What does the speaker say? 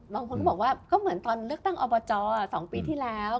บางคนก็บอกว่าก็เหมือนตอนเลือกตั้งอบจ๒ปีที่แล้ว